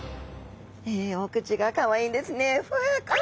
お口がかわいいんですね。